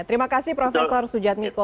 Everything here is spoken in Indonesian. terima kasih profesor sujad miko